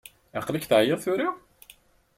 Aql-ik teɛyiḍ tura?